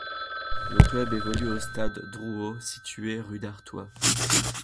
Le club évolue au Stade Drouot, situé rue d'Artois.